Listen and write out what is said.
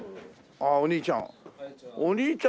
ああお兄ちゃん。